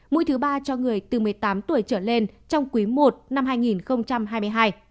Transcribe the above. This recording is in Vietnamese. mũi thứ ba cho người từ một mươi tám tuổi trở lên trong quý i năm hai nghìn hai mươi hai